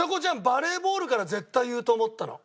バレーボールから絶対言うと思ったの。